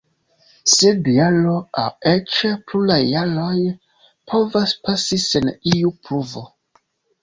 Sed jaro, aŭ eĉ pluraj jaroj, povas pasi sen iu pluvo.